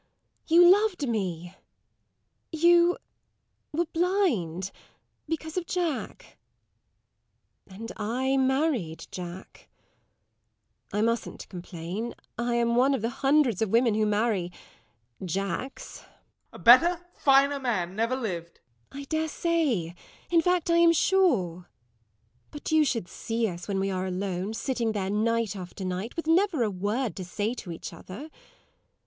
You loved me you ... were blind because of Jack ... And I married Jack ... I mustn't complain ... I am one of the hundreds of women who marry Jacks. SIR GEOFFREY. A better, finer man never lived. LADY TORMINSTER. I dare say in fact, I am sure. But you should see us when we are alone, sitting there night after night, with never a word to say to each other!